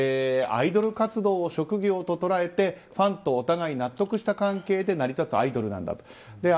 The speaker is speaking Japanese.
アイドル活動を職業と捉えてファンとお互い納得した関係で成り立つアイドルだと。